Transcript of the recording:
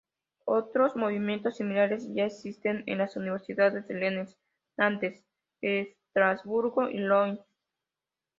Otros movimientos similares ya existían en las universidades de Rennes, Nantes, Estrasburgo y Lyon.